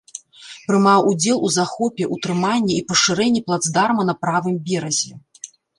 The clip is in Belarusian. Прымаў удзел у захопе, ўтрыманні і пашырэнні плацдарма на правым беразе.